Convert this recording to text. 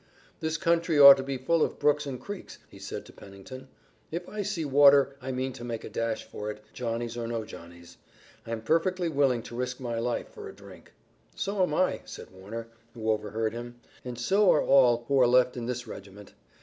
"This country ought to be full of brooks and creeks," he said to Pennington. "If I see water I mean to make a dash for it, Johnnies or no Johnnies. I'm perfectly willing to risk my life for a drink." "So am I," said Warner, who overheard him, "and so are all who are left in this regiment.